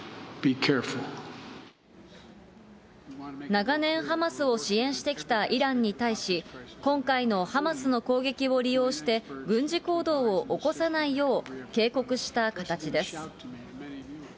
長年、ハマスを支援してきたイランに対し、今回のハマスの攻撃を利用して、軍事行動を起こさないよう警告した形です。